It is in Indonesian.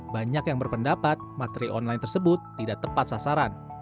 banyak yang berpendapat materi online tersebut tidak tepat sasaran